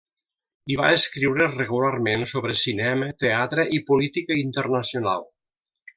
Hi va escriure regularment sobre cinema, teatre i política internacional.